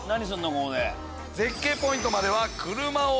ここで。